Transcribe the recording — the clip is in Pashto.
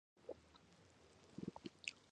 دا د یوازیتوب هغه ارمان و چې هیڅکله پوره نشو.